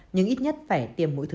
nhưng ít nhất phải tiêm mũi thứ ba